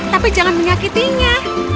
tapi jangan menyakitinya